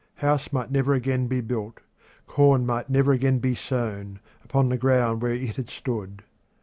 House might never again be built, corn might never again be sown, upon the ground where it had stood.